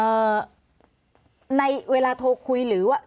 ในเวลาโทรคุยหรือว่า